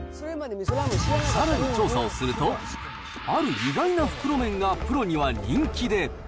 さらに調査をすると、ある意外な袋麺がプロには人気で。